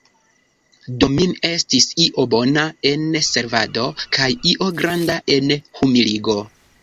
Domin, estis io bona en servado kaj io granda en humiligo.